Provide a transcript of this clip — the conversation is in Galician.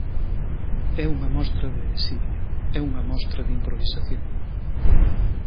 É unha mostra de desidia, é unha mostra de improvisación.